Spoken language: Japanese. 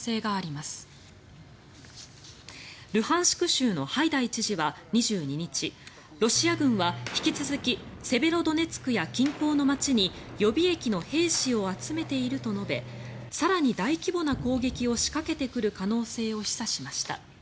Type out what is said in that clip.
州のハイダイ知事は２２日ロシア軍は引き続きセベロドネツクや近郊の街に予備役の兵士を集めていると述べ更に大規模な攻撃を仕掛けてくる可能性を示唆しました。